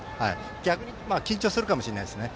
逆に緊張するかもしれないですね